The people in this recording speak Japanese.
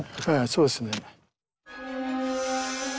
そうですね。